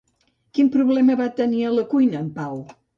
Quin problema va tenir a la cuina en Pau?